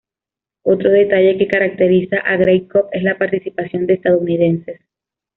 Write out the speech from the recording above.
Otro detalle que caracteriza a la Grey Cup es la participación de estadounidenses.